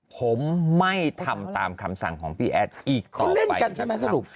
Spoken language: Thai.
ผมไม่ทำตามคำสั่งของพี่แอดอีกต่อไหน